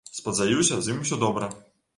Спадзяюся, з ім ўсё добра.